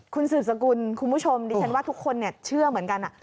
คุณสืบสกุลคุณผู้ชมดิฉันว่าทุกคนเชื่อเหมือนกัน